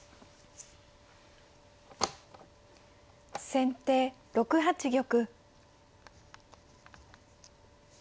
先手６八玉。